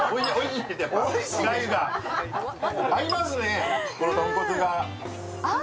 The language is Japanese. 合いますね、この豚骨が。